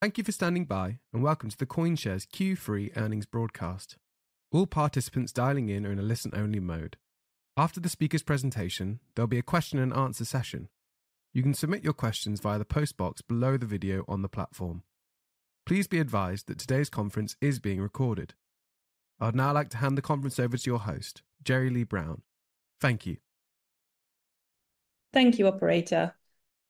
Thank you for standing by, and welcome to the CoinShares Q3 earnings broadcast. All participants dialing in are in a listen-only mode. After the speaker's presentation, there'll be a question-and-answer session. You can submit your questions via the postbox below the video on the platform. Please be advised that today's conference is being recorded. I'd now like to hand the conference over to your host, Jeri-Lea Brown. Thank you. Thank you, Operator.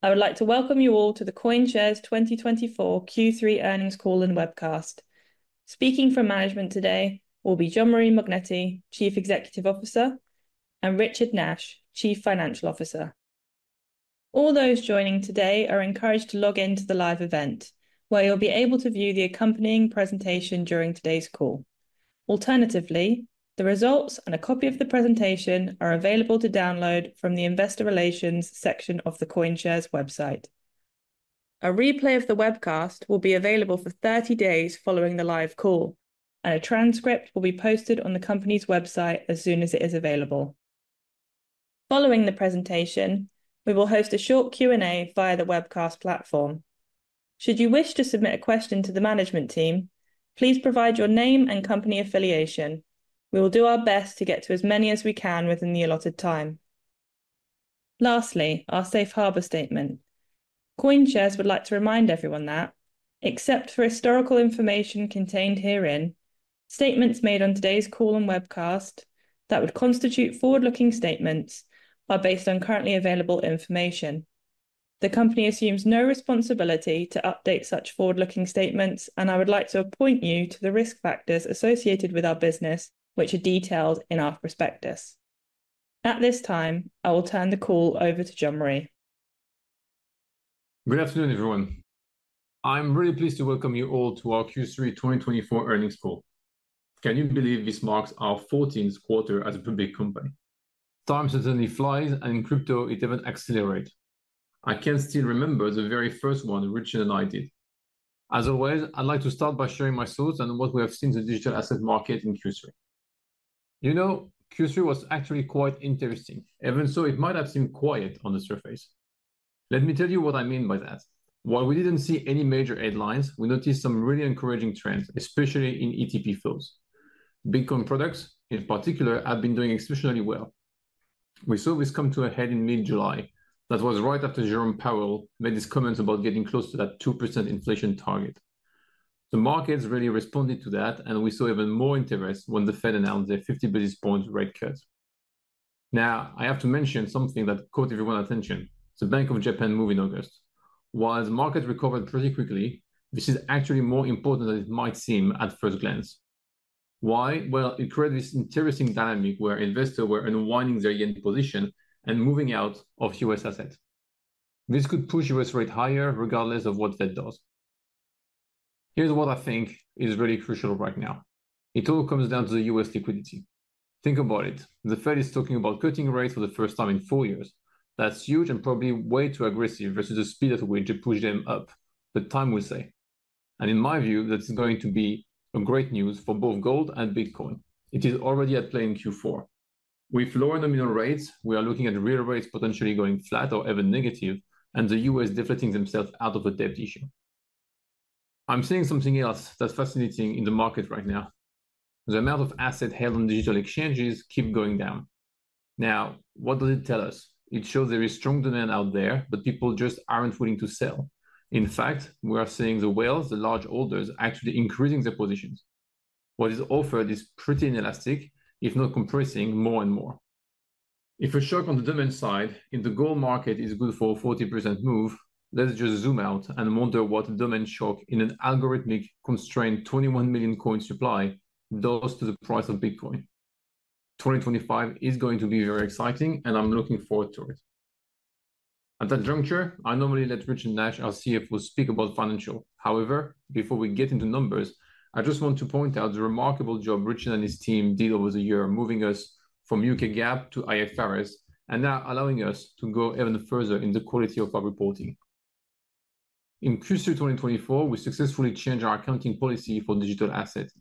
I would like to welcome you all to the CoinShares 2024 Q3 earnings call and webcast. Speaking from management today will be Jean-Marie Mognetti, Chief Executive Officer, and Richard Nash, Chief Financial Officer. All those joining today are encouraged to log in to the live event, where you'll be able to view the accompanying presentation during today's call. Alternatively, the results and a copy of the presentation are available to download from the Investor Relations section of the CoinShares website. A replay of the webcast will be available for 30 days following the live call, and a transcript will be posted on the company's website as soon as it is available. Following the presentation, we will host a short Q&A via the webcast platform. Should you wish to submit a question to the management team, please provide your name and company affiliation. We will do our best to get to as many as we can within the allotted time. Lastly, our safe harbor statement. CoinShares would like to remind everyone that, except for historical information contained herein, statements made on today's call and webcast that would constitute forward-looking statements are based on currently available information. The company assumes no responsibility to update such forward-looking statements, and I would like to point you to the risk factors associated with our business, which are detailed in our prospectus. At this time, I will turn the call over to Jean-Marie. Good afternoon, everyone. I'm really pleased to welcome you all to our Q3 2024 earnings call. Can you believe this marks our 14th quarter as a public company? Time certainly flies, and in crypto, it even accelerates. I can still remember the very first one Richard and I did. As always, I'd like to start by sharing my thoughts and what we have seen in the digital asset market in Q3. You know, Q3 was actually quite interesting, even though it might have seemed quiet on the surface. Let me tell you what I mean by that. While we didn't see any major headlines, we noticed some really encouraging trends, especially in ETP flows. Bitcoin products, in particular, have been doing exceptionally well. We saw this come to a head in mid-July. That was right after Jerome Powell made his comments about getting close to that 2% inflation target. The markets really responded to that, and we saw even more interest when the Fed announced a 50 basis point rate cut. Now, I have to mention something that caught everyone's attention. The Bank of Japan move in August. While the market recovered pretty quickly, this is actually more important than it might seem at first glance. Why? Well, it created this interesting dynamic where investors were unwinding their yen position and moving out of U.S. assets. This could push U.S. rates higher, regardless of what the Fed does. Here's what I think is really crucial right now. It all comes down to the U.S. liquidity. Think about it. The Fed is talking about cutting rates for the first time in four years. That's huge and probably way too aggressive versus the speed at which it pushed them up. But time will say. And in my view, that's going to be great news for both gold and Bitcoin. It is already at play in Q4. With lower nominal rates, we are looking at real rates potentially going flat or even negative, and the U.S. deflating themselves out of a debt issue. I'm seeing something else that's fascinating in the market right now. The amount of assets held on digital exchanges keeps going down. Now, what does it tell us? It shows there is strong demand out there, but people just aren't willing to sell. In fact, we are seeing the whales, the large holders, actually increasing their positions. What is offered is pretty inelastic, if not compressing more and more. If a shock on the demand side in the gold market is good for a 40% move, let's just zoom out and wonder what a demand shock in an algorithmically constrained 21 million coins supply does to the price of Bitcoin. 2025 is going to be very exciting, and I'm looking forward to it. At that juncture, I normally let Richard Nash, our CFO, speak about financials. However, before we get into numbers, I just want to point out the remarkable job Richard and his team did over the year moving us from U.K. GAAP to IFRS and now allowing us to go even further in the quality of our reporting. In Q3 2024, we successfully changed our accounting policy for digital assets.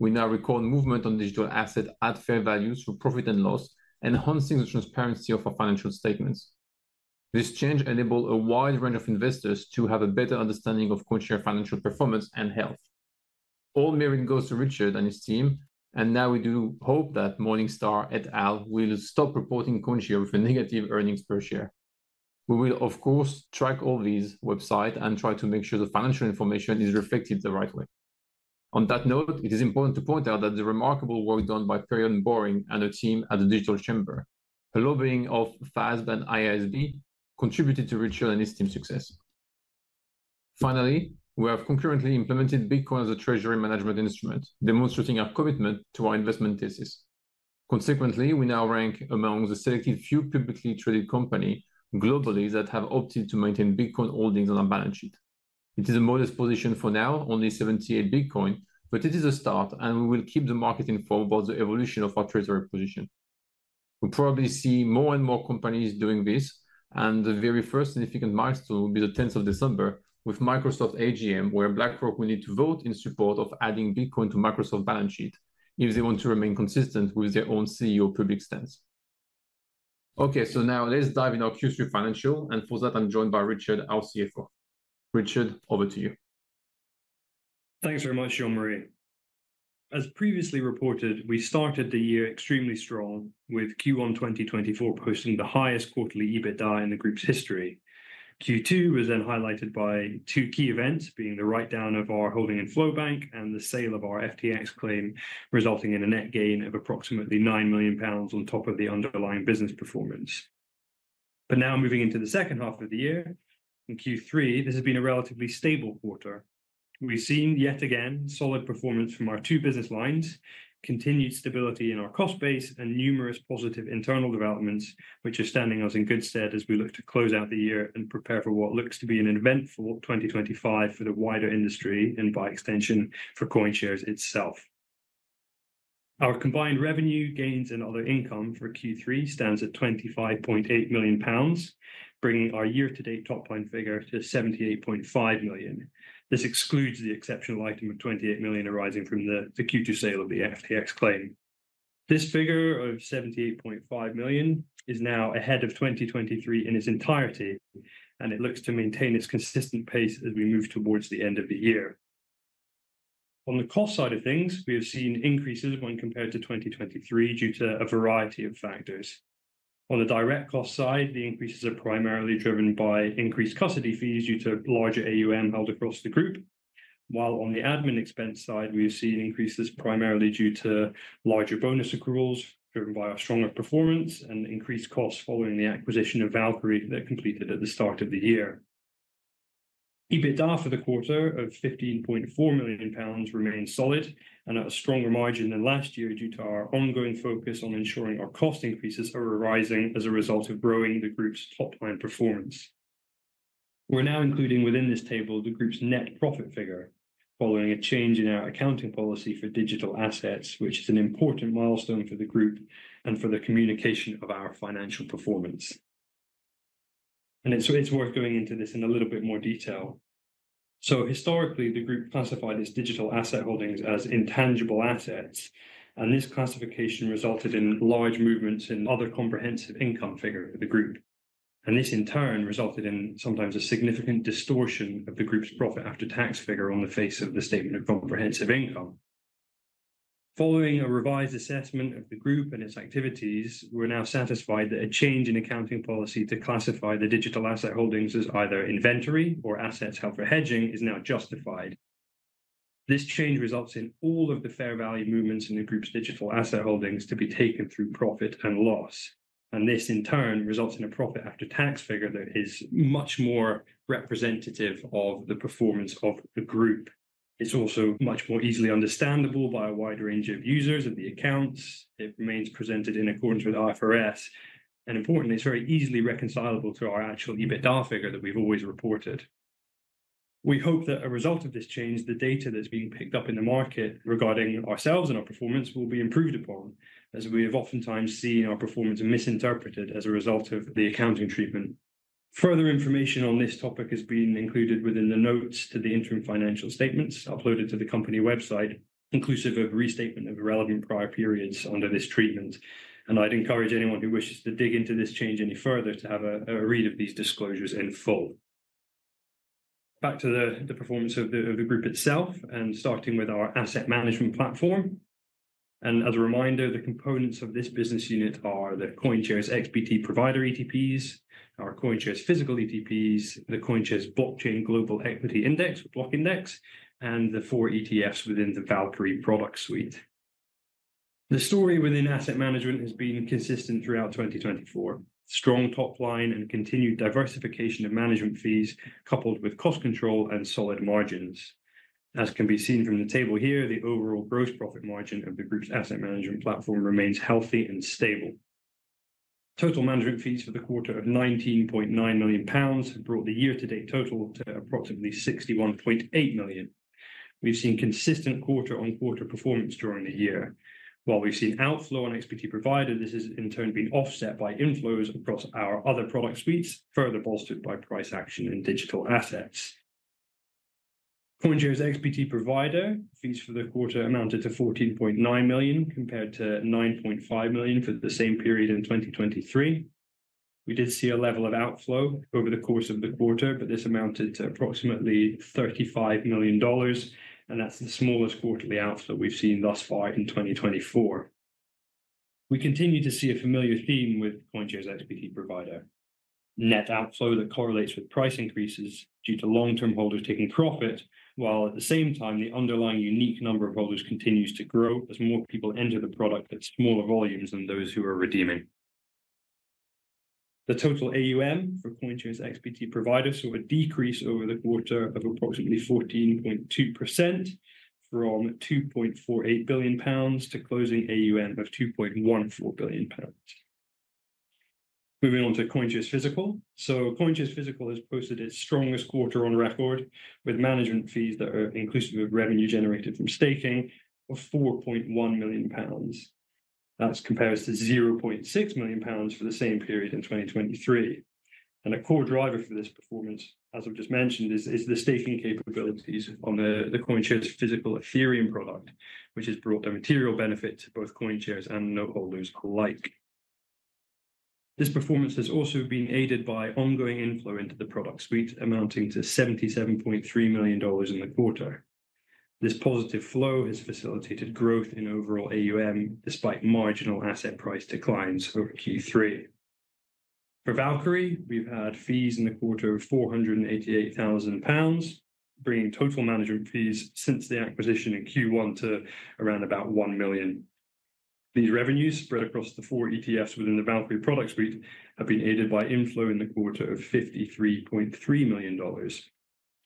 We now record movement on digital assets at fair values for profit and loss and enhancing the transparency of our financial statements. This change enabled a wide range of investors to have a better understanding of CoinShares' financial performance and health. All merit goes to Richard and his team. And now we do hope that Morningstar et al. will stop reporting CoinShares with a negative earnings per share. We will, of course, track all these websites and try to make sure the financial information is reflected the right way. On that note, it is important to point out that the remarkable work done by Perianne Boring and the team at The Digital Chamber, a lobbying of FASB and IASB, contributed to Richard and his team's success. Finally, we have concurrently implemented Bitcoin as a treasury management instrument, demonstrating our commitment to our investment thesis. Consequently, we now rank among the selected few publicly traded companies globally that have opted to maintain Bitcoin holdings on our balance sheet. It is a modest position for now, only 78 Bitcoin, but it is a start, and we will keep the market informed about the evolution of our treasury position. We'll probably see more and more companies doing this, and the very first significant milestone will be the 10th of December with Microsoft AGM, where BlackRock will need to vote in support of adding Bitcoin to Microsoft's balance sheet if they want to remain consistent with their own CEO public stance. Okay, so now let's dive into our Q3 financials, and for that, I'm joined by Richard, our CFO. Richard, over to you. Thanks very much, Jean-Marie. As previously reported, we started the year extremely strong, with Q1 2024 posting the highest quarterly EBITDA in the group's history. Q2 was then highlighted by two key events, being the write-down of our holding in FlowBank and the sale of our FTX claim, resulting in a net gain of approximately 9 million pounds on top of the underlying business performance. But now moving into the second half of the year, in Q3, this has been a relatively stable quarter. We've seen yet again solid performance from our two business lines, continued stability in our cost base, and numerous positive internal developments, which are standing us in good stead as we look to close out the year and prepare for what looks to be an eventful 2025 for the wider industry and by extension for CoinShares itself. Our combined revenue, gains, and other income for Q3 stands at 25.8 million pounds, bringing our year-to-date top line figure to 78.5 million. This excludes the exceptional item of 28 million arising from the Q2 sale of the FTX claim. This figure of 78.5 million is now ahead of 2023 in its entirety, and it looks to maintain its consistent pace as we move towards the end of the year. On the cost side of things, we have seen increases when compared to 2023 due to a variety of factors. On the direct cost side, the increases are primarily driven by increased custody fees due to larger AUM held across the group, while on the admin expense side, we have seen increases primarily due to larger bonus accruals driven by our stronger performance and increased costs following the acquisition of Valkyrie that completed at the start of the year. EBITDA for the quarter of 15.4 million pounds remains solid and at a stronger margin than last year due to our ongoing focus on ensuring our cost increases are arising as a result of growing the group's top line performance. We're now including within this table the group's net profit figure, following a change in our accounting policy for digital assets, which is an important milestone for the group and for the communication of our financial performance. And it's worth going into this in a little bit more detail. So historically, the group classified its digital asset holdings as intangible assets, and this classification resulted in large movements in other comprehensive income figures for the group. And this, in turn, resulted in sometimes a significant distortion of the group's profit after tax figure on the face of the statement of comprehensive income. Following a revised assessment of the group and its activities, we're now satisfied that a change in accounting policy to classify the digital asset holdings as either inventory or assets held for hedging is now justified. This change results in all of the fair value movements in the group's digital asset holdings to be taken through profit and loss, and this, in turn, results in a profit after tax figure that is much more representative of the performance of the group. It's also much more easily understandable by a wide range of users and the accounts. It remains presented in accordance with IFRS, and importantly, it's very easily reconcilable to our actual EBITDA figure that we've always reported. We hope that as a result of this change, the data that's being picked up in the market regarding ourselves and our performance, will be improved upon, as we have oftentimes seen our performance misinterpreted as a result of the accounting treatment. Further information on this topic has been included within the notes to the interim financial statements uploaded to the company website, inclusive of a restatement of relevant prior periods under this treatment, and I'd encourage anyone who wishes to dig into this change any further to have a read of these disclosures in full. Back to the performance of the group itself, and starting with our asset management platform, and as a reminder, the components of this business unit are the CoinShares XBT Provider ETPs, our CoinShares Physical ETPs, the CoinShares Blockchain Global Equity Index, or BLOCK Index, and the four ETFs within the Valkyrie product suite. The story within asset management has been consistent throughout 2024. Strong top line and continued diversification of management fees coupled with cost control and solid margins. As can be seen from the table here, the overall gross profit margin of the group's asset management platform remains healthy and stable. Total management fees for the quarter of 19.9 million pounds brought the year-to-date total to approximately 61.8 million. We've seen consistent quarter-on-quarter performance during the year. While we've seen outflow on XBT Provider, this has in turn been offset by inflows across our other product suites, further bolstered by price action in digital assets. CoinShares XBT Provider fees for the quarter amounted to 14.9 million compared to 9.5 million for the same period in 2023. We did see a level of outflow over the course of the quarter, but this amounted to approximately $35 million, and that's the smallest quarterly outflow we've seen thus far in 2024. We continue to see a familiar theme with CoinShares XBT Provider: net outflow that correlates with price increases due to long-term holders taking profit, while at the same time, the underlying unique number of holders continues to grow as more people enter the product at smaller volumes than those who are redeeming. The total AUM for CoinShares XBT Provider saw a decrease over the quarter of approximately 14.2% from 2.48 billion pounds to closing AUM of 2.14 billion pounds. Moving on to CoinShares Physical, so CoinShares Physical has posted its strongest quarter on record, with management fees that are inclusive of revenue generated from staking of 4.1 million pounds. That compares to 0.6 million pounds for the same period in 2023. A core driver for this performance, as I've just mentioned, is the staking capabilities on the CoinShares Physical Ethereum product, which has brought a material benefit to both CoinShares and noteholders alike. This performance has also been aided by ongoing inflow into the product suite, amounting to $77.3 million in the quarter. This positive flow has facilitated growth in overall AUM despite marginal asset price declines over Q3. For Valkyrie, we've had fees in the quarter of 488,000 pounds, bringing total management fees since the acquisition in Q1 to around about 1 million. These revenues, spread across the four ETFs within the Valkyrie product suite, have been aided by inflow in the quarter of $53.3 million.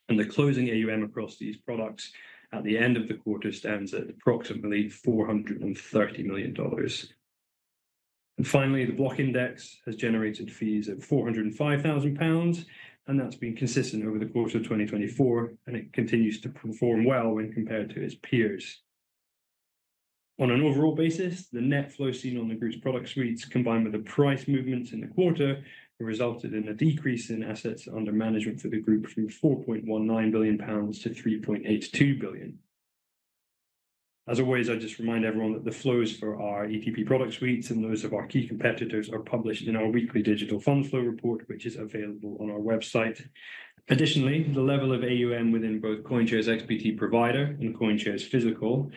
The closing AUM across these products at the end of the quarter stands at approximately $430 million. Finally, the BLOCK Index has generated fees of 405,000 pounds, and that's been consistent over the course of 2024, and it continues to perform well when compared to its peers. On an overall basis, the net flow seen on the group's product suites, combined with the price movements in the quarter, resulted in a decrease in assets under management for the group from 4.19 billion pounds to 3.82 billion. As always, I just remind everyone that the flows for our ETP product suites and those of our key competitors are published in our weekly digital fund flow report, which is available on our website. Additionally, the level of AUM within both CoinShares XBT Provider and CoinShares Physical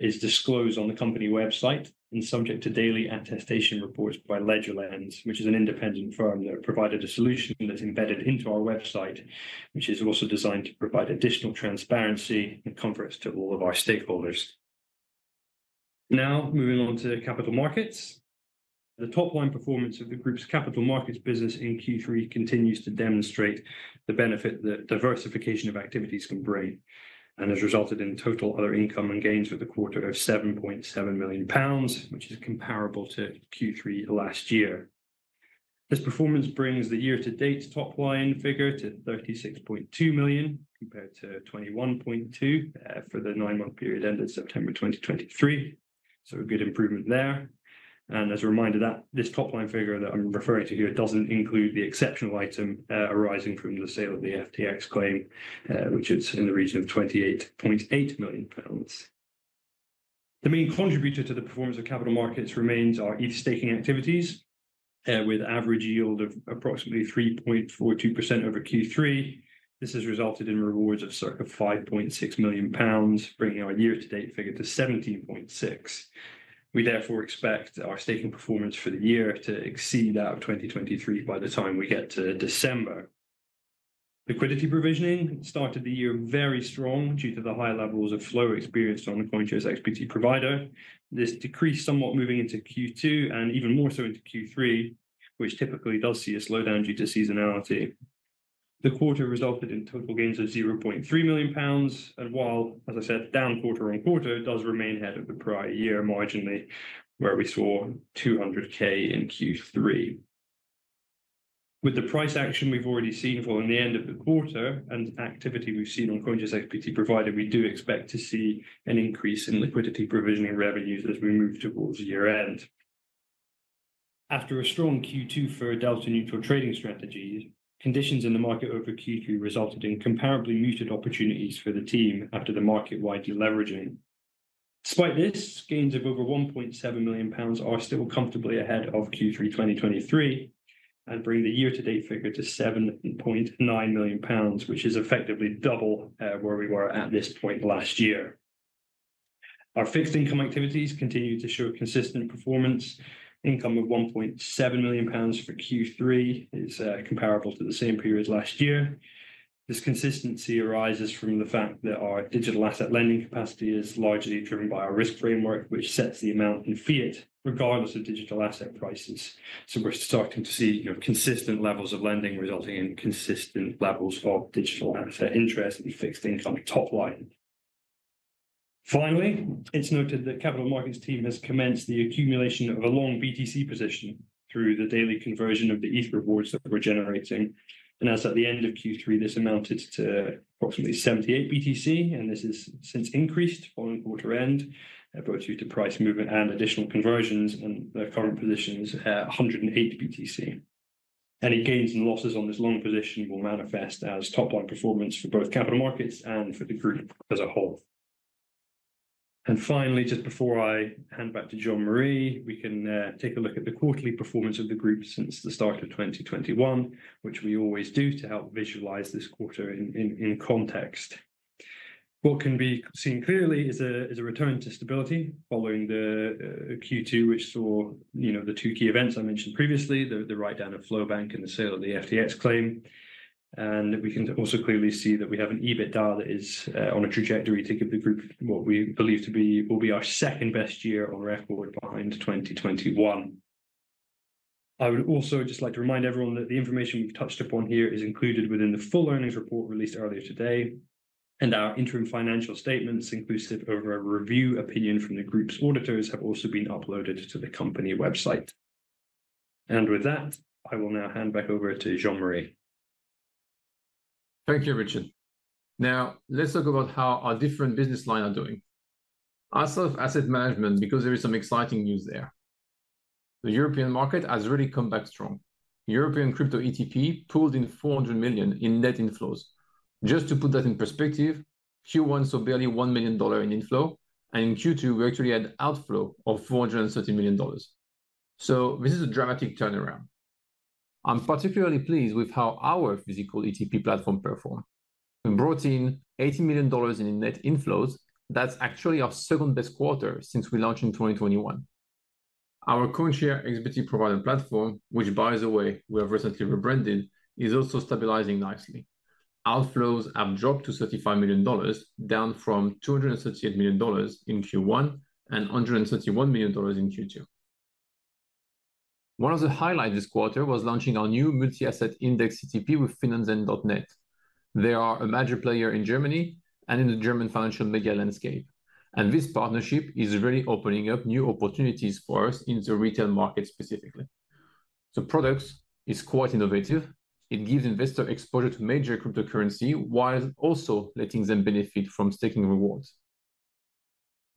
is disclosed on the company website and subject to daily attestation reports by LedgerLens, which is an independent firm that provided a solution that's embedded into our website, which is also designed to provide additional transparency and comfort to all of our stakeholders. Now, moving on to Capital Markets. The top line performance of the group's Capital Markets business in Q3 continues to demonstrate the benefit that diversification of activities can bring, and has resulted in total other income and gains for the quarter of 7.7 million pounds, which is comparable to Q3 last year. This performance brings the year-to-date top line figure to 36.2 million compared to 21.2 million for the nine-month period ended September 2023. So a good improvement there. As a reminder, this top line figure that I'm referring to here doesn't include the exceptional item arising from the sale of the FTX claim, which is in the region of 28.8 million pounds. The main contributor to the performance of Capital Markets remains our ETH staking activities, with an average yield of approximately 3.42% over Q3. This has resulted in rewards of circa 5.6 million pounds, bringing our year-to-date figure to 17.6 million. We therefore expect our staking performance for the year to exceed that of 2023 by the time we get to December. Liquidity provisioning started the year very strong due to the high levels of flow experienced on the CoinShares XBT Provider. This decreased somewhat moving into Q2 and even more so into Q3, which typically does see a slowdown due to seasonality. The quarter resulted in total gains of 0.3 million pounds. While, as I said, down quarter on quarter, it does remain ahead of the prior year marginally, where we saw 200,000 in Q3. With the price action we've already seen following the end of the quarter and activity we've seen on CoinShares XBT Provider, we do expect to see an increase in liquidity provisioning revenues as we move towards year-end. After a strong Q2 for a delta-neutral trading strategy, conditions in the market over Q3 resulted in comparably muted opportunities for the team after the market widened leveraging. Despite this, gains of over 1.7 million pounds are still comfortably ahead of Q3 2023 and bring the year-to-date figure to 7.9 million pounds, which is effectively double where we were at this point last year. Our fixed income activities continue to show consistent performance. Income of 1.7 million pounds for Q3 is comparable to the same period last year. This consistency arises from the fact that our digital asset lending capacity is largely driven by our risk framework, which sets the amount in fiat regardless of digital asset prices. So we're starting to see consistent levels of lending resulting in consistent levels of digital asset interest and fixed income top line. Finally, it's noted that the Capital Markets team has commenced the accumulation of a long BTC position through the daily conversion of the ETH rewards that we're generating. And as at the end of Q3, this amounted to approximately 78 BTC, and this has since increased following quarter-end both due to price movement and additional conversions, and the current position is 108 BTC. Any gains and losses on this long position will manifest as top line performance for both Capital Markets and for the group as a whole. Finally, just before I hand back to Jean-Marie, we can take a look at the quarterly performance of the group since the start of 2021, which we always do to help visualize this quarter in context. What can be seen clearly is a return to stability following the Q2, which saw the two key events I mentioned previously, the write-down of FlowBank and the sale of the FTX claim. We can also clearly see that we have an EBITDA that is on a trajectory to give the group what we believe to be will be our second-best year on record behind 2021. I would also just like to remind everyone that the information we've touched upon here is included within the full earnings report released earlier today, and our interim financial statements, inclusive of a review opinion from the group's auditors, have also been uploaded to the company website. And with that, I will now hand back over to Jean-Marie. Thank you, Richard. Now, let's talk about how our different business lines are doing. As for asset management, because there is some exciting news there. The European market has really come back strong. European crypto ETP pulled in 400 million in net inflows. Just to put that in perspective, Q1 saw barely $1 million in inflow, and in Q2, we actually had outflow of $430 million. So this is a dramatic turnaround. I'm particularly pleased with how our physical ETP platform performed. We brought in $80 million in net inflows. That's actually our second-best quarter since we launched in 2021. Our CoinShares XBT Provider platform, which, by the way, we have recently rebranded, is also stabilizing nicely. Outflows have dropped to $35 million, down from $238 million in Q1 and $131 million in Q2. One of the highlights this quarter was launching our new multi-asset index ETP with finanzen.net. They are a major player in Germany and in the German financial media landscape, and this partnership is really opening up new opportunities for us in the retail market specifically. The product is quite innovative. It gives investor exposure to major cryptocurrency while also letting them benefit from staking rewards.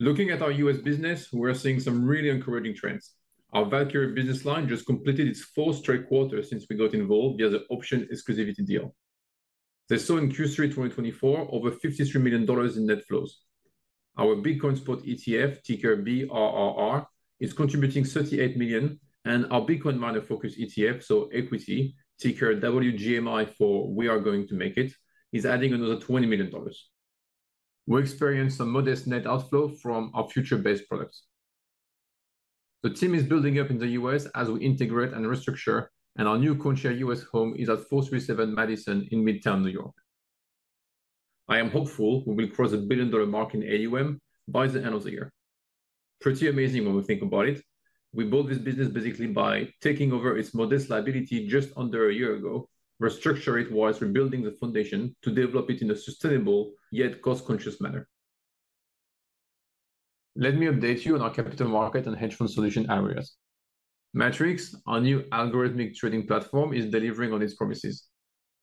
Looking at our U.S. business, we're seeing some really encouraging trends. Our Valkyrie business line just completed its fourth straight quarter since we got involved via the option exclusivity deal. They saw in Q3 2024 over $53 million in net flows. Our Bitcoin spot ETF, ticker BRRR, is contributing $38 million, and our Bitcoin miner focus ETF, so equity, ticker WGMI for We Are Going to Make It, is adding another $20 million. We experience some modest net outflow from our future-based products. The team is building up in the U.S. as we integrate and restructure, and our new CoinShares U.S. home is at 437 Madison in Midtown New York. I am hopeful we will cross the billion-dollar mark in AUM by the end of the year. Pretty amazing when we think about it. We built this business basically by taking over its modest liability just under a year ago, restructuring it while rebuilding the foundation to develop it in a sustainable yet cost-conscious manner. Let me update you on our Capital Market and hedge fund solution areas. MATRIX, our new algorithmic trading platform, is delivering on its promises.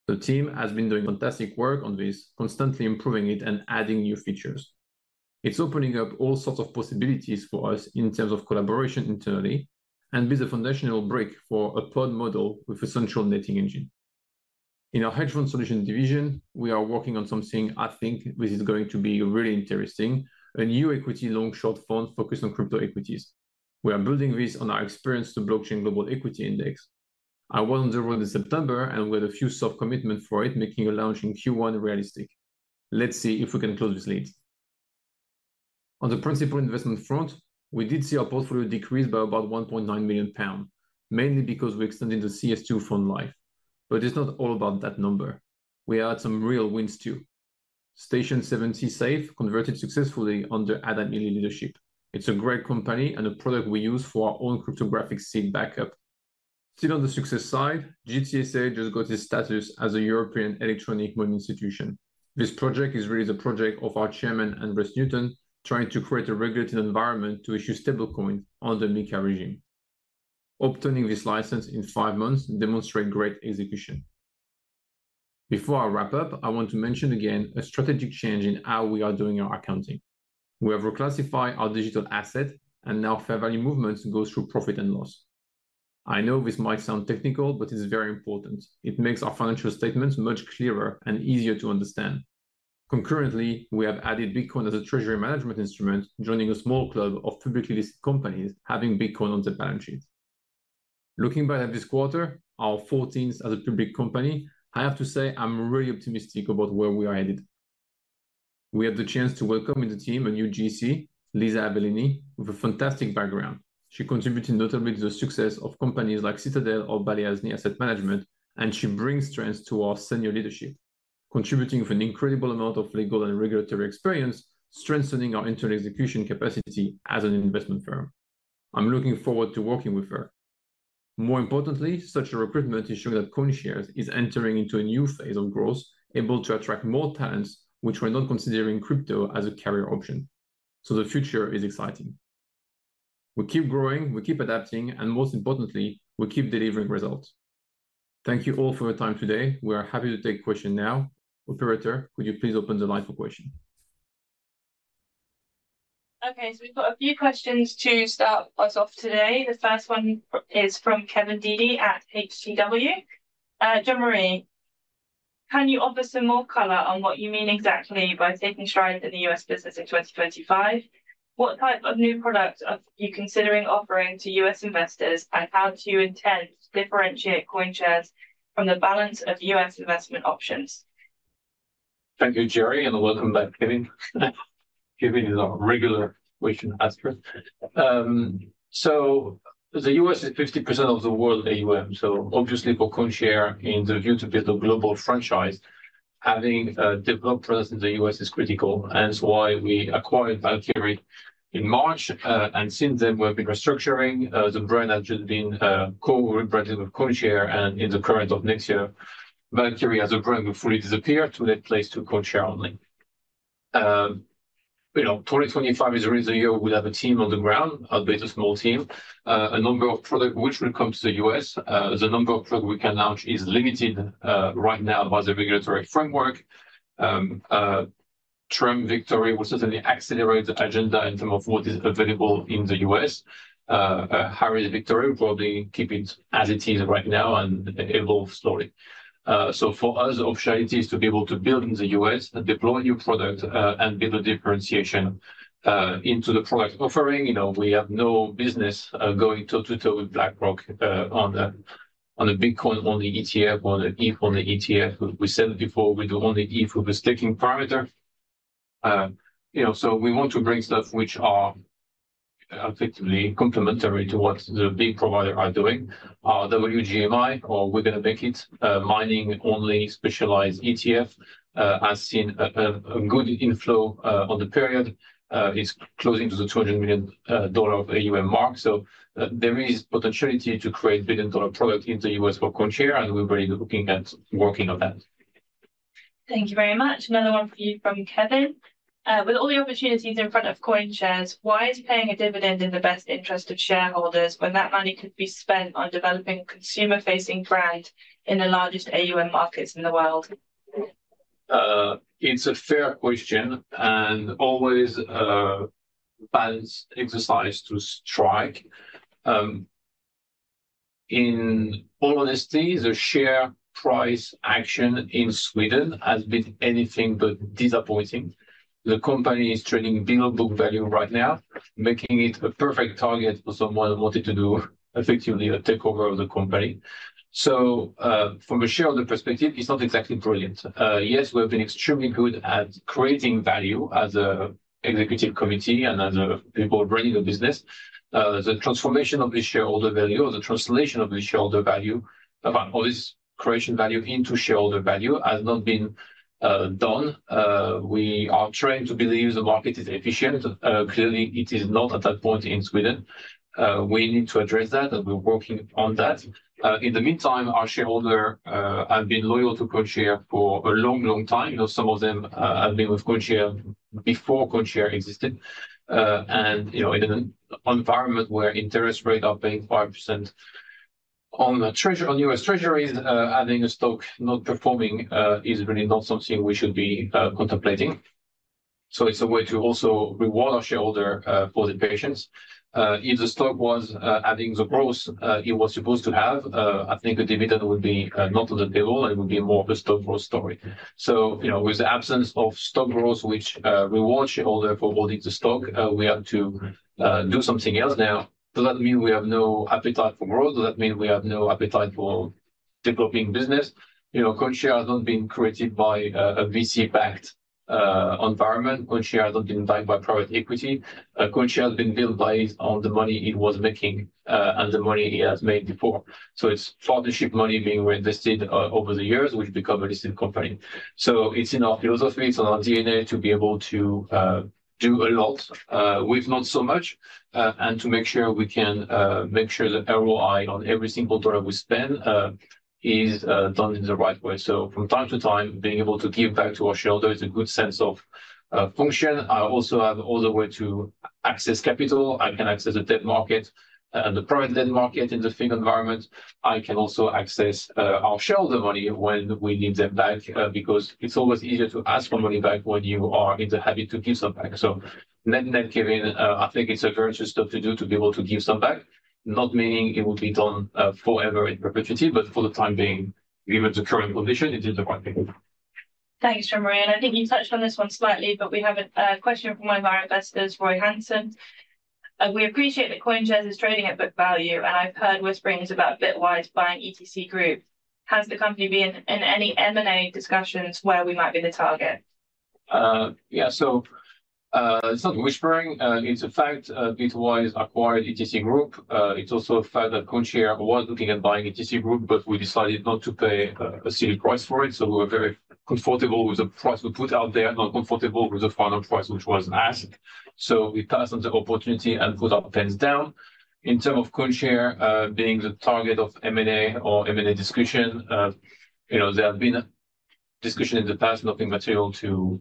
The team has been doing fantastic work on this, constantly improving it and adding new features. It's opening up all sorts of possibilities for us in terms of collaboration internally and being the foundational brick for a pod model with a central netting engine. In our hedge fund solution division, we are working on something I think this is going to be really interesting: a new equity long-short fund focused on crypto equities. We are building this on our experience to Blockchain Global Equity Index. I was on the road in September, and we had a few soft commitments for it, making a launch in Q1 realistic. Let's see if we can close this lead. On the Principal Investment front, we did see our portfolio decrease by about 1.9 million pounds, mainly because we extended the CS2 fund life. But it's not all about that number. We had some real wins too. Station70 safe converted successfully under Adam Ely leadership. It's a great company and a product we use for our own cryptographic seed backup. Still on the success side, GTSA just got its status as a European Electronic Money Institution. This project is really the project of our chairman, Andreas Neumann, trying to create a regulated environment to issue stablecoins under MiCA regime. Obtaining this license in five months demonstrates great execution. Before I wrap up, I want to mention again a strategic change in how we are doing our accounting. We have reclassified our digital asset, and now fair value movements go through profit and loss. I know this might sound technical, but it's very important. It makes our financial statements much clearer and easier to understand. Concurrently, we have added Bitcoin as a treasury management instrument, joining a small club of publicly listed companies having Bitcoin on their balance sheets. Looking back at this quarter, our 14th as a public company, I have to say I'm really optimistic about where we are headed. We had the chance to welcome into the team a new GC, Lisa Avellini, with a fantastic background. She contributed notably to the success of companies like Citadel or Balyasny Asset Management, and she brings strengths to our senior leadership, contributing with an incredible amount of legal and regulatory experience, strengthening our internal execution capacity as an investment firm. I'm looking forward to working with her. More importantly, such a recruitment ensures that CoinShares is entering into a new phase of growth, able to attract more talents which were not considering crypto as a carrier option. So the future is exciting. We keep growing, we keep adapting, and most importantly, we keep delivering results. Thank you all for your time today. We are happy to take questions now. Operator, could you please open the line for questions? Okay, so we've got a few questions to start us off today. The first one is from Kevin Dede at H.C. Wainwright. Jean-Marie, can you offer some more color on what you mean exactly by taking strides in the U.S. business in 2025? What type of new product are you considering offering to U.S. investors, and how do you intend to differentiate CoinShares from the balance of U.S. investment options? Thank you, Jeri, and welcome back, Kevin. Kevin is our regular question asker. So the U.S. is 50% of the world AUM, so obviously for CoinShares, in the view to build a global franchise, having a developed presence in the U.S. is critical. And that's why we acquired Valkyrie in March, and since then, we've been restructuring. The brand has just been co-rebranded with CoinShares, and in the course of next year, Valkyrie as a brand will fully disappear to make place for CoinShares only. You know, 2025 is already the year we'll have a team on the ground, albeit a small team. A number of products which will come to the U.S., the number of products we can launch is limited right now by the regulatory framework. Trump victory will certainly accelerate the agenda in terms of what is available in the U.S. Harris' victory will probably keep it as it is right now and evolve slowly. So for us, the opportunity is to be able to build in the U.S., deploy new products, and build a differentiation into the product offering. You know, we have no business going toe-to-toe with BlackRock on a Bitcoin-only ETF or an ETH-only ETF. We said it before, we do only ETH with a staking parameter. You know, so we want to bring stuff which are effectively complementary to what the big providers are doing. Our WGMI, or We're Going to Make It, a mining-only specialized ETF, has seen a good inflow on the period. It's closing to the $200 million of the AUM mark. So there is potentiality to create a billion-dollar product in the U.S. for CoinShares, and we're really looking at working on that. Thank you very much. Another one for you from Kevin. With all the opportunities in front of CoinShares, why is paying a dividend in the best interest of shareholders when that money could be spent on developing a consumer-facing brand in the largest AUM markets in the world? It's a fair question and always a balanced exercise to strike. In all honesty, the share price action in Sweden has been anything but disappointing. The company is trading below book value right now, making it a perfect target for someone who wanted to do effectively a takeover of the company. So from a shareholder perspective, it's not exactly brilliant. Yes, we have been extremely good at creating value as an executive committee and as people running the business. The transformation of the shareholder value or the translation of the shareholder value, or this creation value into shareholder value, has not been done. We are trying to believe the market is efficient. Clearly, it is not at that point in Sweden. We need to address that, and we're working on that. In the meantime, our shareholders have been loyal to CoinShares for a long, long time. You know, some of them have been with CoinShares before CoinShares existed. And you know, in an environment where interest rates are paying 5% on U.S. Treasury, having a stock not performing is really not something we should be contemplating. So it's a way to also reward our shareholders for their patience. If the stock was adding the growth it was supposed to have, I think a dividend would be not on the table and it would be more of a stock growth story. So you know, with the absence of stock growth, which rewards shareholders for holding the stock, we have to do something else now. Does that mean we have no appetite for growth? Does that mean we have no appetite for developing business? You know, CoinShares has not been created by a VC-backed environment. CoinShares has not been backed by private equity. CoinShares has been built on the money it was making and the money it has made before. So it's partnership money being reinvested over the years, which becomes a listed company. So it's in our philosophy, it's in our DNA to be able to do a lot with not so much and to make sure we can make sure the ROI on every single dollar we spend is done in the right way. So from time to time, being able to give back to our shareholders is a good sense of function. I also have another way to access capital. I can access the debt market and the private debt market in the FIG environment. I can also access our shareholder money when we need them back because it's always easier to ask for money back when you are in the habit to give some back. So net, net, Kevin, I think it's a very interesting stuff to do to be able to give some back, not meaning it will be done forever in perpetuity, but for the time being, given the current condition, it is the right thing to do. Thanks, Jean-Marie. And I think you touched on this one slightly, but we have a question from one of our investors, Roy Hanson. We appreciate that CoinShares is trading at book value, and I've heard whisperings about Bitwise buying ETC Group. Has the company been in any M&A discussions where we might be the target? Yeah, so it's not whispering. It's a fact that Bitwise acquired ETC Group. It's also a fact that CoinShares was looking at buying ETC Group, but we decided not to pay a silly price for it. So we were very comfortable with the price we put out there, not comfortable with the final price which was asked. So we passed on the opportunity and put our pens down. In terms of CoinShares being the target of M&A or M&A discussion, you know, there have been discussions in the past, nothing material to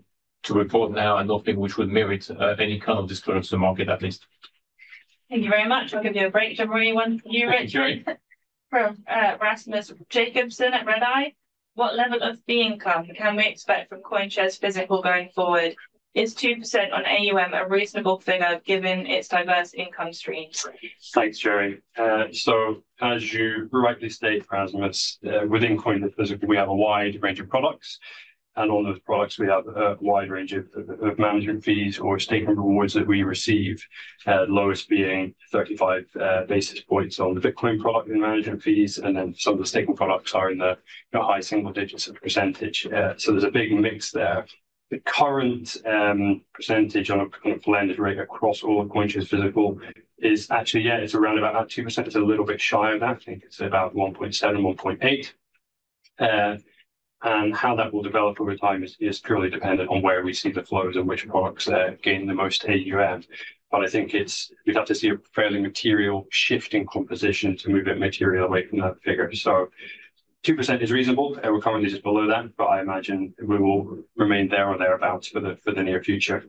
report now and nothing which would merit any kind of disclosure to the market at least. Thank you very much. I'll give you a break. Jean-Marie, one for you. Thank you, Jeri. From Rasmus Jacobsson at Redeye, what level of fee income can we expect from CoinShares Physical going forward? Is 2% on AUM a reasonable figure given its diverse income streams? Thanks, Jeri. So as you rightly state, Rasmus, within CoinShares Physical, we have a wide range of products, and on those products, we have a wide range of management fees or staking rewards that we receive, the lowest being 35 basis points on the Bitcoin product in management fees, and then some of the staking products are in the high single digits of percentage. So there's a big mix there. The current percentage on a kind of blended rate across all of CoinShares Physical is actually, yeah, it's around about that 2%. It's a little bit shy of that. I think it's about 1.7%, 1.8%. And how that will develop over time is purely dependent on where we see the flows and which products are gaining the most AUM. But I think we'd have to see a fairly material shift in composition to move it materially away from that figure. So 2% is reasonable. We're currently just below that, but I imagine we will remain there or thereabouts for the near future.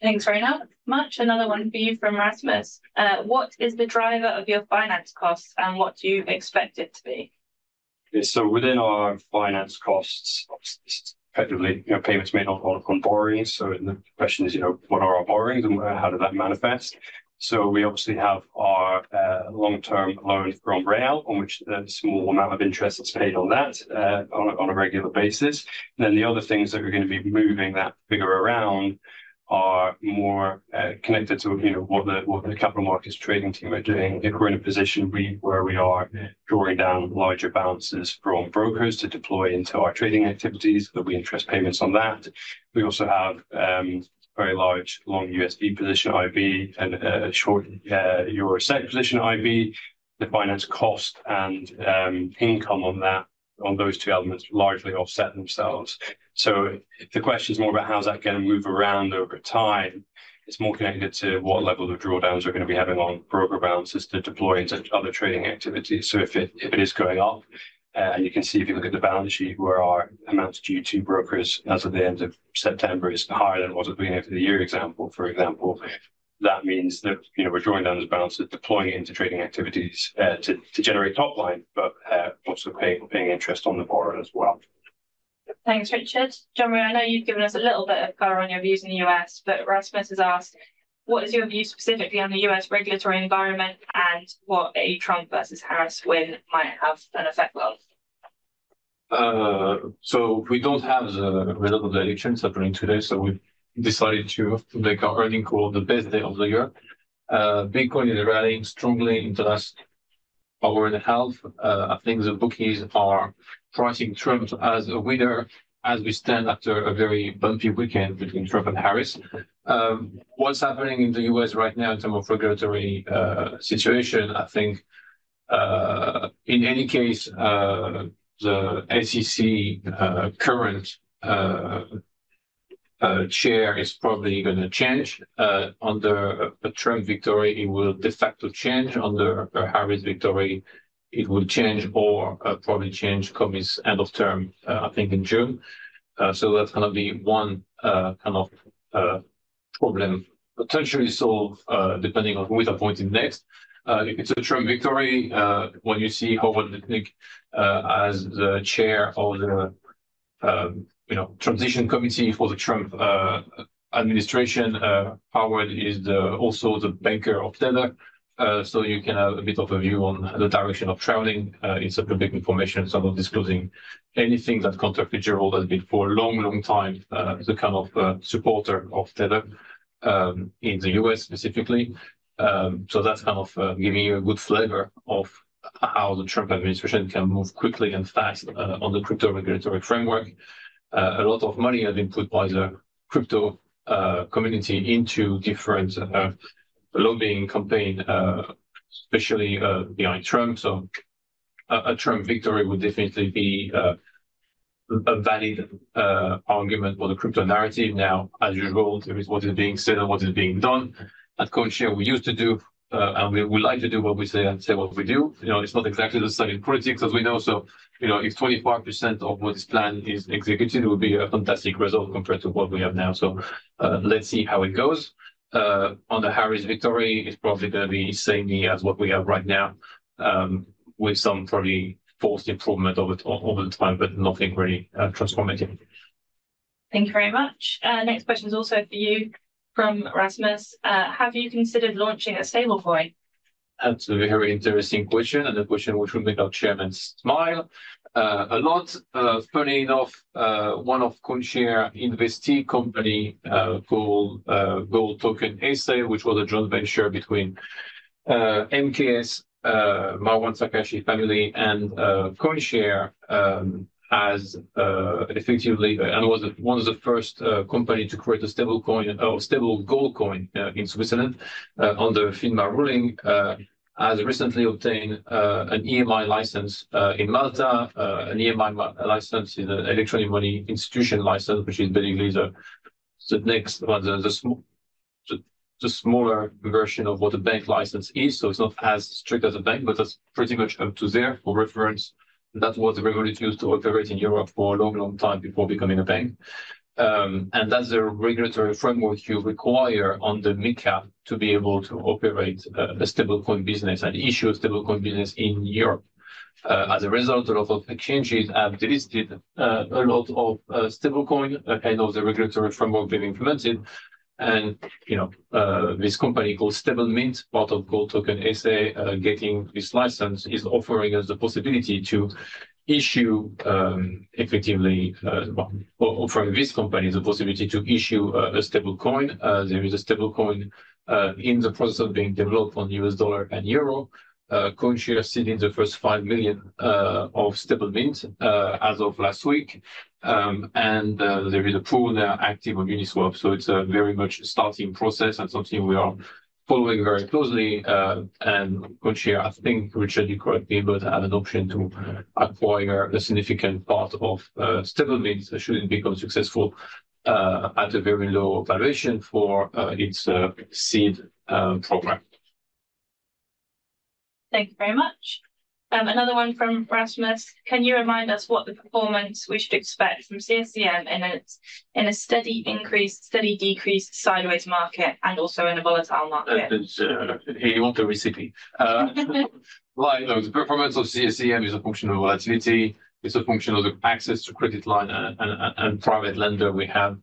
Thanks very much. Another one for you from Rasmus. What is the driver of your finance costs and what do you expect it to be? So within our finance costs, obviously, you know, payments may not all come borrowing. So the question is, you know, what are our borrowings and how does that manifest? So we obviously have our long-term loan from [Rayal], on which a small amount of interest is paid on that on a regular basis. Then the other things that are going to be moving that figure around are more connected to, you know, what the Capital Markets trading team are doing. If we're in a position where we are drawing down larger balances from brokers to deploy into our trading activities, we earn interest payments on that. We also have very large long USD position IB and a short Euro SEK position IB. The finance cost and income on that, on those two elements, largely offset themselves. So if the question is more about how is that going to move around over time, it's more connected to what level of drawdowns we're going to be having on broker balances to deploy into other trading activities. So if it is going up, and you can see if you look at the balance sheet where our amounts due to brokers as of the end of September is higher than what it's been over the year, for example, that means that, you know, we're drawing down those balances deploying into trading activities to generate top line, but also paying interest on the borrowings as well. Thanks, Richard. Jean-Marie, I know you've given us a little bit of color on your views in the U.S., but Rasmus has asked, what is your view specifically on the U.S. regulatory environment and what a Trump versus Harris win might have an effect on? So we don't have the results of the elections happening today, so we've decided to make our earnings call the best day of the year. Bitcoin is rallying strongly in the last hour and a half. I think the bookies are pricing Trump as a winner as we stand after a very bumpy weekend between Trump and Harris. What's happening in the U.S. right now in terms of regulatory situation? I think in any case, the SEC current chair is probably going to change. Under a Trump victory, it will de facto change. Under a Harris victory, it will change or probably change committee's end of term, I think in June. So that's going to be one kind of problem potentially solved depending on who is appointed next. If it's a Trump victory, when you see Howard Lutnick as the chair of the, you know, transition committee for the Trump administration, Howard is also the banker of Tether. So you can have a bit of a view on the direction of traveling. It's a bit of information in terms of disclosing anything, but the fact that Lutnick has been for a long, long time the kind of supporter of Tether in the U.S. specifically. So that's kind of giving you a good flavor of how the Trump administration can move quickly and fast on the crypto regulatory framework. A lot of money has been put by the crypto community into different lobbying campaigns, especially behind Trump. So a Trump victory would definitely be a valid argument for the crypto narrative. Now, as usual, there is what is being said and what is being done at CoinShares. We used to do, and we like to do what we say and say what we do. You know, it's not exactly the same in politics as we know. So, you know, if 25% of what is planned is executed, it would be a fantastic result compared to what we have now. So let's see how it goes. On the Harris victory, it's probably going to be the same as what we have right now, with some probably forced improvement over the time, but nothing really transformative. Thank you very much. Next question is also for you from Rasmus. Have you considered launching a stablecoin? Absolutely. Very interesting question and a question which will make our chairman smile a lot. Funny enough, one of CoinShares's investing companies called Gold Token S.A., which was a joint venture between MKS, Marwan Shakarchi family, and CoinShares, has effectively and was one of the first companies to create a stablecoin or stable gold coin in Switzerland under FINMA ruling, has recently obtained an EMI license in Malta, an EMI license in an electronic money institution license, which is basically the next one, the smaller version of what a bank license is. So it's not as strict as a bank, but that's pretty much up to there for reference. That was the regulator used to operate in Europe for a long, long time before becoming a bank. That's the regulatory framework you require on the MiCA to be able to operate a stablecoin business and issue a stablecoin business in Europe. As a result, a lot of exchanges have delisted a lot of stablecoin ahead of the regulatory framework being implemented. You know, this company called Stable Mint, part of Gold Token S.A., getting this license is offering us the possibility to issue effectively, well, offering this company the possibility to issue a stablecoin. There is a stablecoin in the process of being developed on U.S. dollar and euro. CoinShares has seen the first five million of Stable Mint as of last week. There is a pool now active on Uniswap. So it's a very much starting process and something we are following very closely. CoinShares, I think, Richard, you correct me, but have an option to acquire a significant part of Stable Mint should it become successful at a very low valuation for its seed program. Thank you very much. Another one from Rasmus. Can you remind us what the performance we should expect from CSCM in a steady increase, steady decrease, sideways market, and also in a volatile market? Hey, you want the recipe? Right, the performance of CSCM is a function of volatility. It's a function of the access to credit line and private lender we have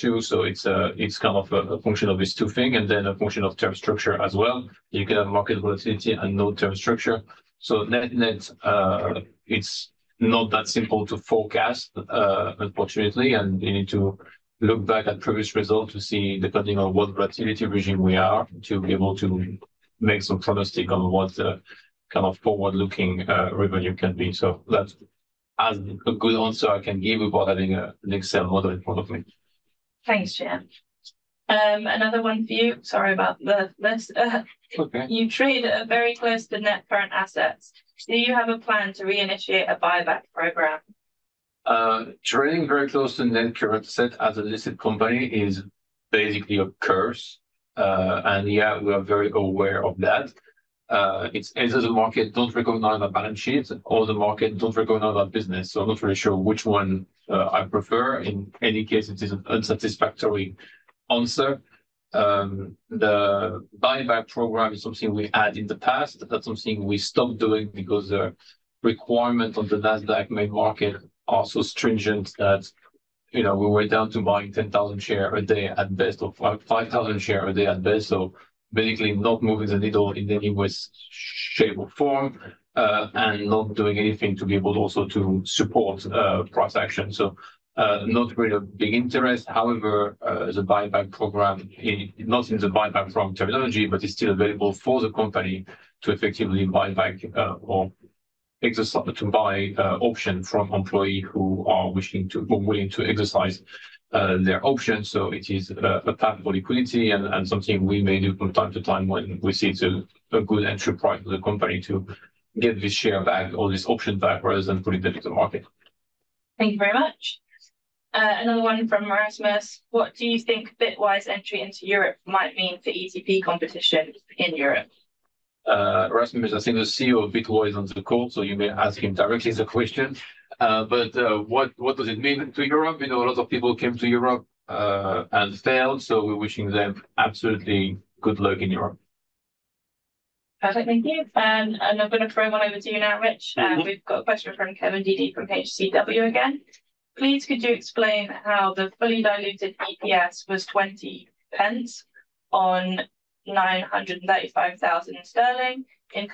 too. So it's kind of a function of these two things and then a function of term structure as well. You can have market volatility and no term structure. So net net, it's not that simple to forecast, unfortunately. And you need to look back at previous results to see depending on what volatility regime we are to be able to make some prognostic on what the kind of forward-looking revenue can be. So that's as a good answer I can give without having an Excel model in front of me. Thanks, Jan. Another one for you. Sorry about the list. You trade very close to net current assets. Do you have a plan to reinitiate a buyback program? Trading very close to net current asset as a listed company is basically a curse, and yeah, we are very aware of that. It's either the market doesn't recognize our balance sheet or the market doesn't recognize our business, so I'm not really sure which one I prefer. In any case, it is an unsatisfactory answer. The buyback program is something we had in the past. That's something we stopped doing because the requirements on the Nasdaq main market are so stringent that, you know, we were down to buying 10,000 shares a day at best or 5,000 shares a day at best. So basically not moving the needle in any way, shape, or form and not doing anything to be able also to support price action. So not really a big interest. However, the buyback program, not in the buyback from terminology, but it's still available for the company to effectively buy back or exercise to buy options from employees who are willing to exercise their options. So it is a path for liquidity and something we may do from time to time when we see a good entry price for the company to get this share back or this option back rather than putting them into the market. Thank you very much. Another one from Rasmus. What do you think Bitwise entry into Europe might mean for ETP competition in Europe? Rasmus, I think the CEO of Bitwise is on the call, so you may ask him directly the question. But what does it mean to Europe? We know a lot of people came to Europe and failed, so we're wishing them absolutely good luck in Europe. Perfect. Thank you. And I'm going to throw one over to you now, Rich. We've got a question from Kevin Dede from H.C. Wainwright again. Please, could you explain how the fully diluted EPS was 20 pence on 935,000 sterling in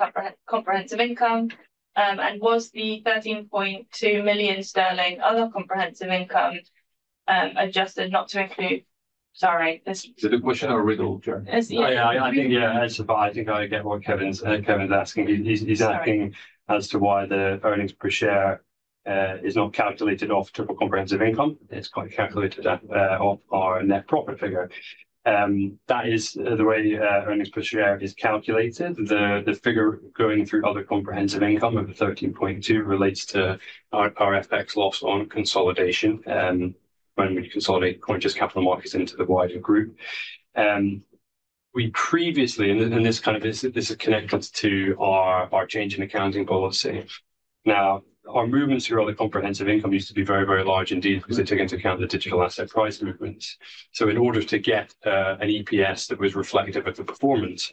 comprehensive income? And was the 13.2 million sterling other comprehensive income adjusted not to include? Sorry. Is the question a riddle, Jeri? Yeah, I think, yeah, I suppose I think I get what Kevin's asking. He's asking as to why the earnings per share is not calculated off total comprehensive income. It's calculated off our net profit figure. That is the way earnings per share is calculated. The figure going through other comprehensive income of 13.2 relates to our FX loss on consolidation when we consolidate CoinShares Capital Markets into the wider group. We previously, and this kind of is a connection to our change in accounting policy. Now, our movements throughout the comprehensive income used to be very, very large indeed because they took into account the digital asset price movements. So in order to get an EPS that was reflective of the performance,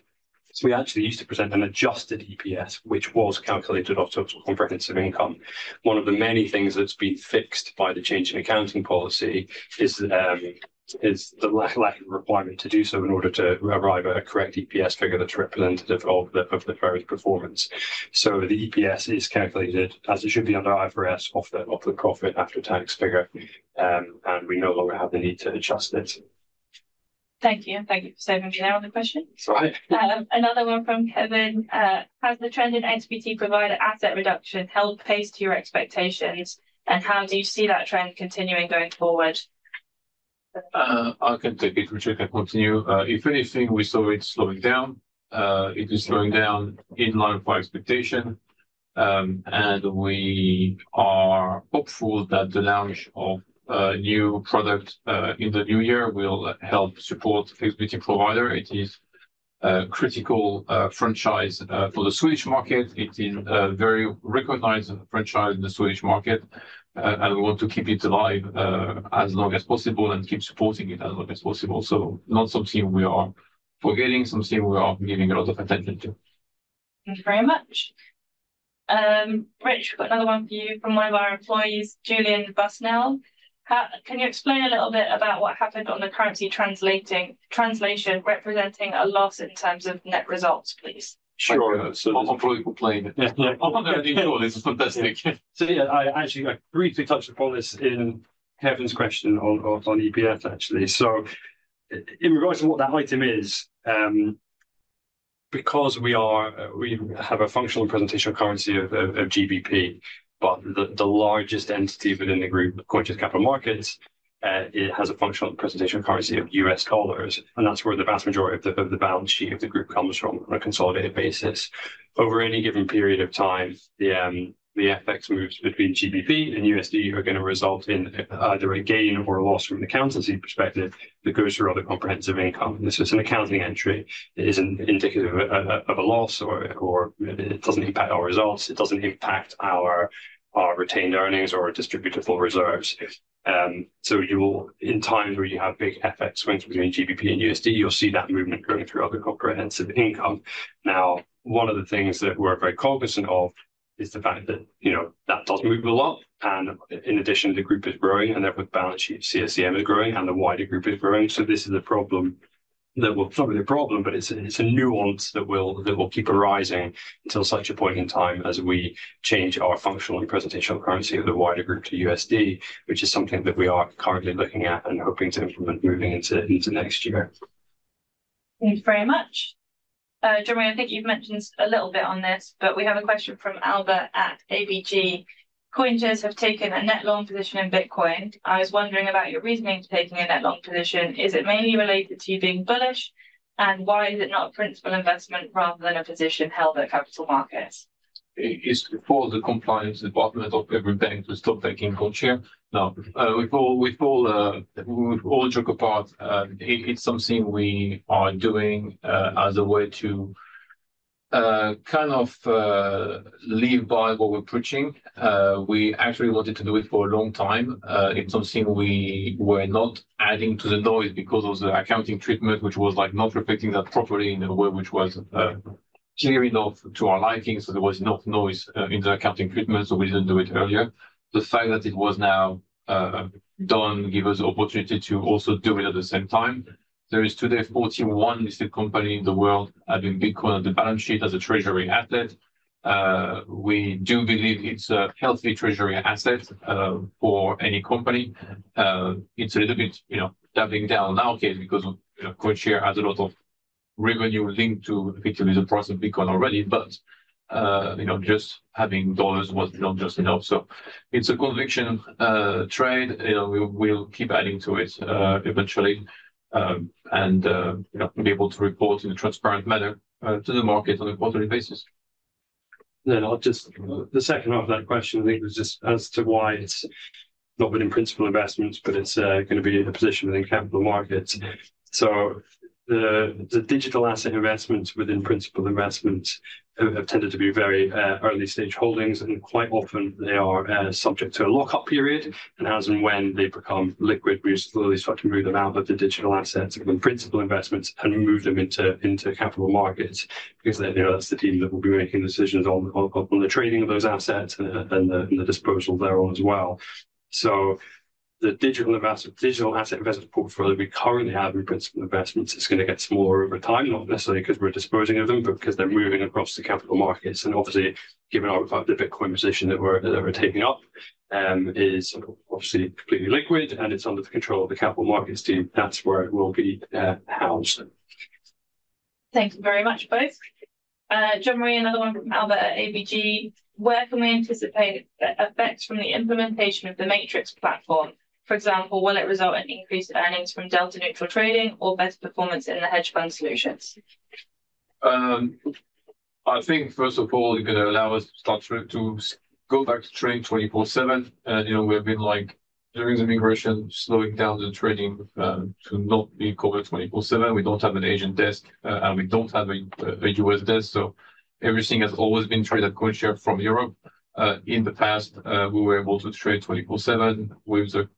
we actually used to present an adjusted EPS, which was calculated off total comprehensive income. One of the many things that's been fixed by the change in accounting policy is the lack of requirement to do so in order to arrive at a correct EPS figure that's representative of the various performance. The EPS is calculated as it should be under IFRS off the profit after tax figure, and we no longer have the need to adjust it. Thank you. Thank you for saving me there on the question. Sorry. Another one from Kevin. Has the trend in XBT Provider asset reduction kept pace with your expectations, and how do you see that trend continuing going forward? I can take it, Richard. I can continue. If anything, we saw it slowing down. It is slowing down in line with our expectations. We are hopeful that the launch of a new product in the new year will help support the XBT Provider. It is a critical franchise for the Swedish market. It is a very recognized franchise in the Swedish market, and we want to keep it alive as long as possible and keep supporting it as long as possible. Not something we are forgetting, something we are giving a lot of attention to. Thank you very much. Rich, we've got another one for you from one of our employees, Julien Busnel. Can you explain a little bit about what happened on the currency translation representing a loss in terms of net results, please? Sure. It's an unfavorable claim. Yeah, I think it's fantastic. So yeah, I actually briefly touched upon this in Kevin's question on EPS, actually. So in regards to what that item is, because we have a functional currency of GBP, but the largest entity within the group, CoinShares Capital Markets, it has a functional currency of U.S. dollars. And that's where the vast majority of the balance sheet of the group comes from on a consolidated basis. Over any given period of time, the FX moves between GBP and USD are going to result in either a gain or a loss from an accounting perspective that goes through other comprehensive income. This is an accounting entry. It isn't indicative of a loss or it doesn't impact our results. It doesn't impact our retained earnings or distributable reserves. So you will, in times where you have big FX swings between GBP and USD, you'll see that movement going through other comprehensive income. Now, one of the things that we're very cognizant of is the fact that, you know, that does move a lot. And in addition, the group is growing and therefore the balance sheet of CSCM is growing and the wider group is growing. So this is a problem that will not be a problem, but it's a nuance that will keep arising until such a point in time as we change our functional and presentation of currency of the wider group to USD, which is something that we are currently looking at and hoping to implement moving into next year. Thank you very much. Jeri, I think you've mentioned a little bit on this, but we have a question from Albert at ABG. CoinShares have taken a net long position in Bitcoin. I was wondering about your reasoning for taking a net long position. Is it mainly related to you being bullish? And why is it not a Principal Investment rather than a position held at Capital Markets? It is for the compliance department of every bank to start taking CoinShares. Now, we've all joked about it's something we are doing as a way to kind of live by what we're preaching. We actually wanted to do it for a long time. It's something we were not adding to the noise because of the accounting treatment, which was like not reflecting that properly in a way which was clear enough to our liking. So there was enough noise in the accounting treatment, so we didn't do it earlier. The fact that it was now done gave us the opportunity to also do it at the same time. There is today 41 listed companies in the world having Bitcoin on the balance sheet as a treasury asset. We do believe it's a healthy treasury asset for any company. It's a little bit, you know, doubling down now because CoinShares has a lot of revenue linked to effectively the price of Bitcoin already. But you know, just having dollars was not just enough. So it's a conviction trade. You know, we'll keep adding to it eventually and be able to report in a transparent manner to the market on a quarterly basis. Then I'll just, the second half of that question, I think was just as to why it's not been in Principal Investments, but it's going to be a position within Capital Markets. So the digital asset investments within Principal Investments have tended to be very early stage holdings, and quite often they are subject to a lockup period. And as and when they become liquid, we slowly start to move them out of the digital assets and Principal Investments and move them into Capital Markets because that's the team that will be making decisions on the trading of those assets and the disposal thereon as well. So the digital asset investment portfolio we currently have in Principal Investments is going to get smaller over time, not necessarily because we're disposing of them, but because they're moving across the Capital Markets. And obviously, given the Bitcoin position that we're taking up is obviously completely liquid and it's under the control of the Capital Markets team, that's where it will be housed. Thank you very much, both. Jeri, another one from Albert at ABG. Where can we anticipate effects from the implementation of the MATRIX platform? For example, will it result in increased earnings from delta neutral trading or better performance in the hedge fund solutions? I think, first of all, it's going to allow us to start to go back to trade 24/7. And, you know, we've been like during the migration, slowing down the trading to not be covered 24/7. We don't have an agent desk and we don't have a U.S. desk. So everything has always been traded at CoinShares from Europe. In the past, we were able to trade 24/7. With the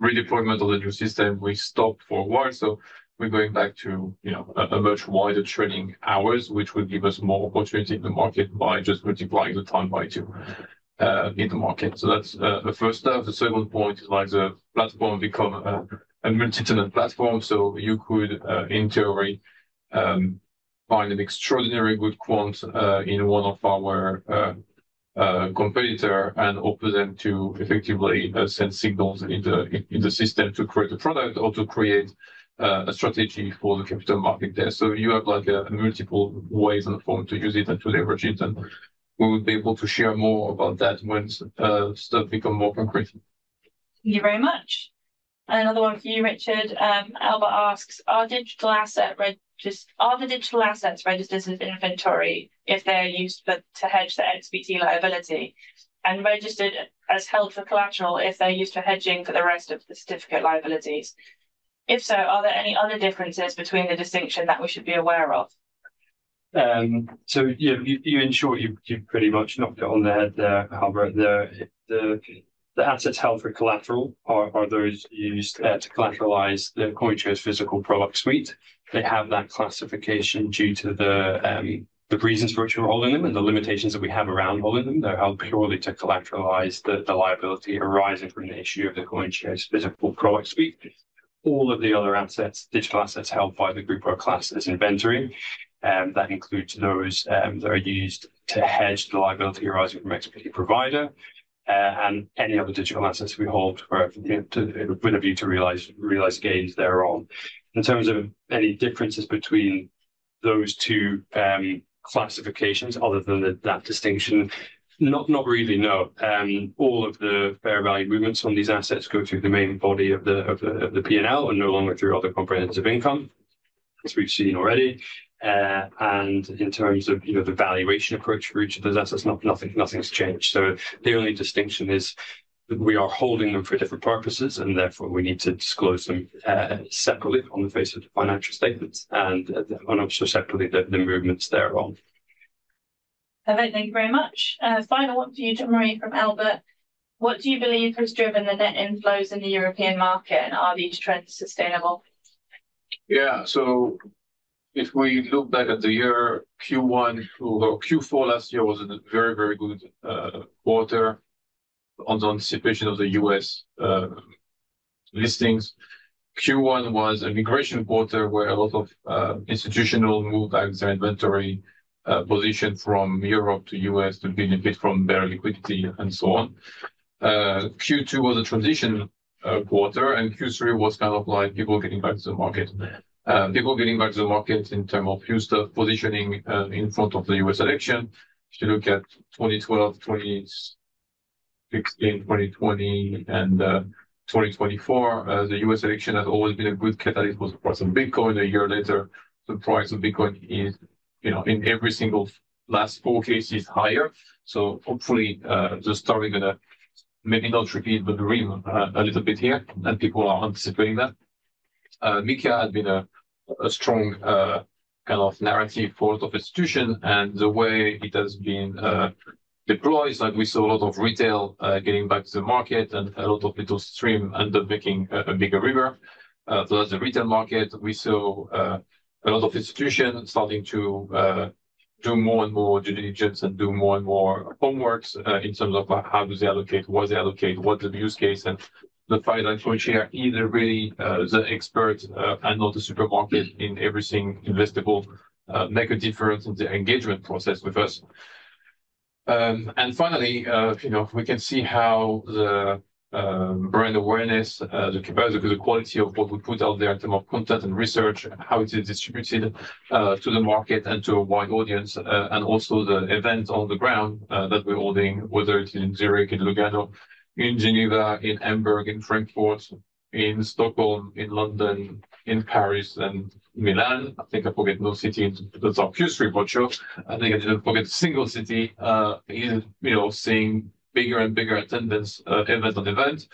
redeployment of the new system, we stopped for a while. So we're going back to, you know, a much wider trading hours, which will give us more opportunity in the market by just multiplying the time by two in the market. So that's the first step. The second point is like the platform becomes a multi-tenant platform. So you could, in theory, find an extraordinary good quant in one of our competitors and offer them to effectively send signals in the system to create a product or to create a strategy for the Capital Market there. So you have like multiple ways and forms to use it and to leverage it. And we will be able to share more about that when stuff becomes more concrete. Thank you very much. And another one for you, Richard. Albert asks, are digital assets registered? Are the digital assets registered as inventory if they're used to hedge the XBT liability and registered as held for collateral if they're used for hedging for the rest of the certificate liabilities? If so, are there any other differences between the distinction that we should be aware of? So you ensure you've pretty much knocked it on the head there, Albert. The assets held for collateral are those used to collateralize the CoinShares Physical product suite. They have that classification due to the reasons for which we're holding them and the limitations that we have around holding them. They're held purely to collateralize the liability arising from the issue of the CoinShares Physical product suite. All of the other assets, digital assets held by the group, classified as inventory, that includes those that are used to hedge the liability arising from an ETP provider and any other digital assets we hold with a view to realize gains thereon. In terms of any differences between those two classifications other than that distinction, not really, no. All of the fair value movements on these assets go through the main body of the P&L and no longer through other comprehensive income, as we've seen already. In terms of, you know, the valuation approach for each of those assets, nothing's changed. The only distinction is that we are holding them for different purposes and therefore we need to disclose them separately on the face of the financial statements and also separately the movements thereon. Perfect. Thank you very much. Final one for you, Jeri, from Albert. What do you believe has driven the net inflows in the European market and are these trends sustainable? Yeah, so if we look back at the year, Q1 or Q4 last year was a very, very good quarter on the anticipation of the U.S. listings. Q1 was a migration quarter where a lot of institutions moved out of their inventory position from Europe to U.S. to benefit from their liquidity and so on. Q2 was a transition quarter and Q3 was kind of like people getting back to the market. People getting back to the market in terms of new stuff positioning in front of the U.S. election. If you look at 2012, 2016, 2020, and 2024, the U.S. election has always been a good catalyst for the price of Bitcoin. A year later, the price of Bitcoin is, you know, in every single last four cases higher. So hopefully the story is going to maybe not repeat, but rhyme a little bit here and people are anticipating that. MiCA has been a strong kind of narrative for a lot of institutions and the way it has been deployed, like we saw a lot of retail getting back to the market and a lot of little streams making a bigger river. So that's the retail market. We saw a lot of institutions starting to do more and more due diligence and do more and more homework in terms of how do they allocate, what they allocate, what's the use case. And the fact that CoinShares is really the expert and not the supermarket in everything investable makes a difference in the engagement process with us. Finally, you know, we can see how the brand awareness, the quality of what we put out there in terms of content and research, how it is distributed to the market and to a wide audience, and also the events on the ground that we're holding, whether it's in Zurich, in Lugano, in Geneva, in Hamburg, in Frankfurt, in Stockholm, in London, in Paris, and Milan. I think I didn't forget a single city that's in our Q3 brochure, you know, seeing bigger and bigger attendance event on event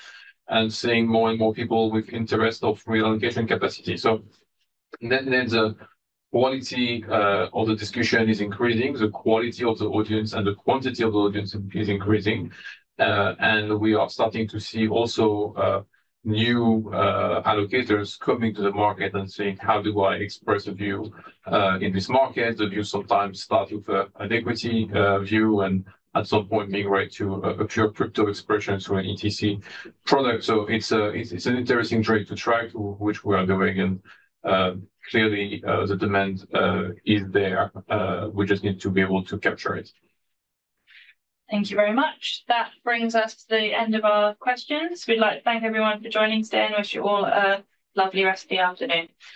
and seeing more and more people with interest of reallocation capacity. Net net the quality of the discussion is increasing, the quality of the audience and the quantity of the audience is increasing. We are starting to see also new allocators coming to the market and saying, how do I express a view in this market? The view sometimes starts with an equity view and at some point being right to a pure crypto expression through an ETP product, so it's an interesting trade to track, which we are doing. Clearly the demand is there. We just need to be able to capture it. Thank you very much. That brings us to the end of our questions. We'd like to thank everyone for joining today and wish you all a lovely rest of the afternoon.